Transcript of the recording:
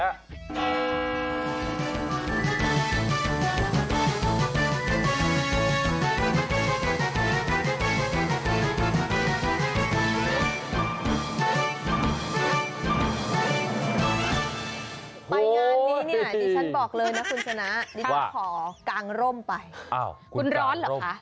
ไปงานนี้เนี่ยที่ฉันบอกเลยนะคุณชนะว่าขอกางร่มไปอ้าวคุณร้อนเหรอคะ